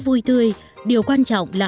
vui tươi điều quan trọng là